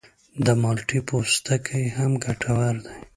د مالټې پوستکی هم ګټور دی.